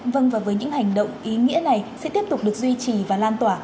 vâng và với những hành động ý nghĩa này sẽ tiếp tục được duy trì và lan tỏa